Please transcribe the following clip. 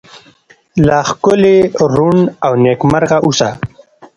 لا ښکلې، ړون، او نکيمرغه اوسه👏